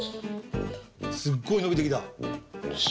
すっごいのびてきた。